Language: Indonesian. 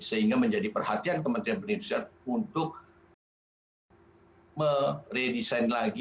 sehingga menjadi perhatian kementerian perindustrian untuk meredesain lagi